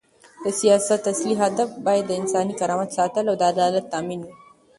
د سیاست اصلي هدف باید د انساني کرامت ساتل او د عدالت تامین وي.